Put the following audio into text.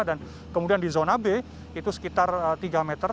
dan kemudian di zona b itu sekitar tiga meter